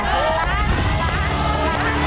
๑ล้าน